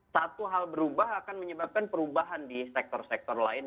satu hal berubah akan menyebabkan perubahan di sektor sektor lain